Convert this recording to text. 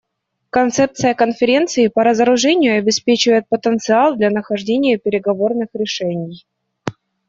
Концепция Конференции по разоружению обеспечивает потенциал для нахождения переговорных решений.